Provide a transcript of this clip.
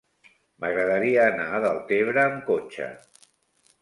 M'agradaria anar a Deltebre amb cotxe.